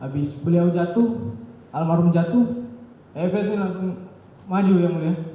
habis beliau jatuh almarhum jatuh efeknya langsung maju ya beliau